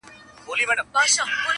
قافلې د سوداگرو يې لوټلې!.